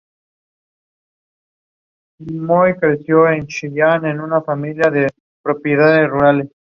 Se escogió la localización actual porque en el río se estrecha en ese pasaje.